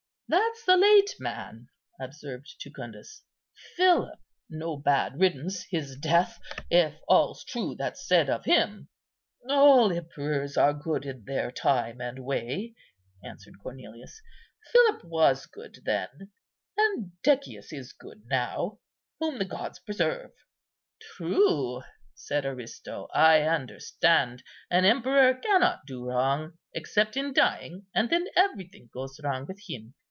"That's the late man," observed Jucundus, "Philip; no bad riddance his death, if all's true that's said of him." "All emperors are good in their time and way," answered Cornelius; "Philip was good then, and Decius is good now;—whom the gods preserve!" "True," said Aristo, "I understand; an emperor cannot do wrong, except in dying, and then everything goes wrong with him.